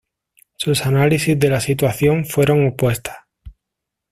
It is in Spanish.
Sus análisis de la situación fueron opuestas.